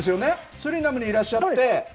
スリナムにいらっしゃって。